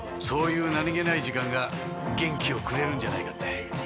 そういう何げない時間が元気をくれるんじゃないかって。